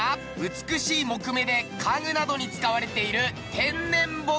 美しい杢目で家具などに使われている天然木。